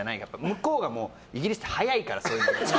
向こうがイギリスって早いからそういうの。